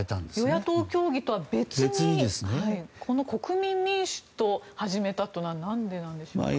与野党協議とは別にこの国民民主と始めたのは何でなんでしょうか。